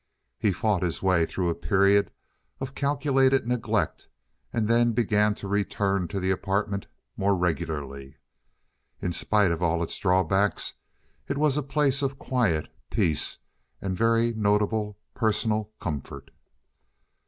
He fought his way through a period of calculated neglect, and then began to return to the apartment more regularly. In spite of all its drawbacks, it was a place of quiet, peace, and very notable personal comfort.